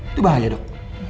itu bahaya dok